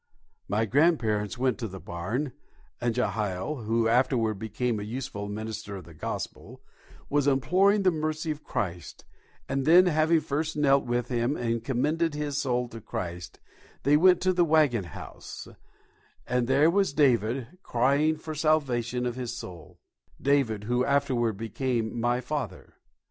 My grandparent went to the barn, and Jehiel, who afterward became a useful minister of the Gospel, was imploring the mercy of Christ; and then, having first knelt with him and commended his soul to Christ, they went to the waggon house, and there was David crying for the salvation of his soul David, who afterward became my father.